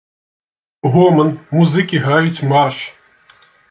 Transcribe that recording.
Гоман, музыкі граюць марш.